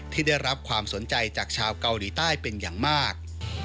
ที่ได้รับความสนใจจากชาวเกาหลีใต้เป็นอย่างมาก